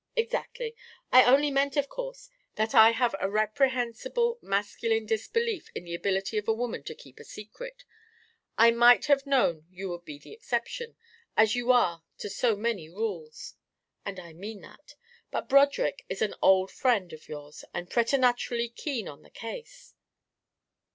"Exactly. I only meant, of course, that I have a reprehensible masculine disbelief in the ability of a woman to keep a secret. I might have known you would be the exception, as you are to so many rules. And I mean that. But Broderick is an old friend of yours and preternaturally keen on the case."